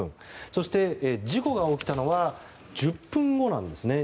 そして、事故が起きたのは１０分後なんですね。